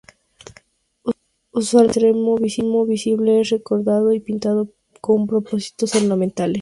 Usualmente el extremo visible es recortado y pintado con propósitos ornamentales.